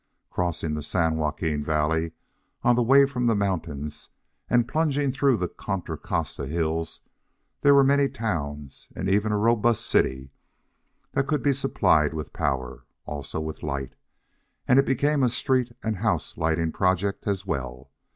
Crossing the San Joaquin Valley on the way from the mountains, and plunging through the Contra Costa hills, there were many towns, and even a robust city, that could be supplied with power, also with light; and it became a street and house lighting project as well.